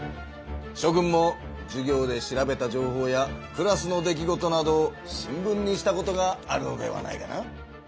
しょ君もじゅ業で調べた情報やクラスの出来事などを新聞にしたことがあるのではないかな。